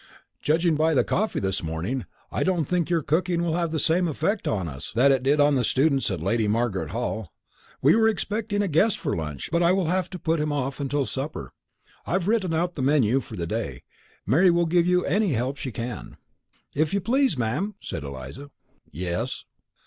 Judging by the coffee this morning, I don't think your cooking will have the same effect on us that it did on the students at Lady Margaret Hall. We were expecting a guest for lunch but I will have to put him off until supper. I have written out the menu for the day. Mary will give you any help she can." "If you please, ma'am?" said Eliza. "Yes?"